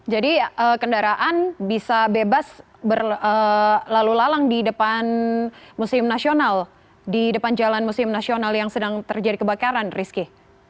jadi kendaraan bisa bebas berlalu lalang di depan musim nasional di depan jalan musim nasional yang sedang terjadi kebakaran rizky